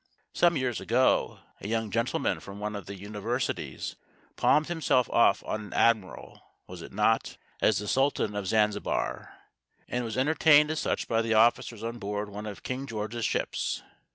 Some years ago a young gentleman from one of the Universities palmed himself off on an admiral was it not? as the Sultan of Zanzibar, and was entertained as such by the officers on board one of King George's ships.